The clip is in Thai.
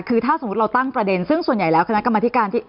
คือถ้าสมมุติเราตั้งประเด็นซึ่งส่วนใหญ่แล้วคณะกรรมธิการที่